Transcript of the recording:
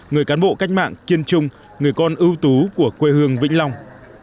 người cán bộ cách mạng kiên trung người con ưu tú của quê hương vĩnh long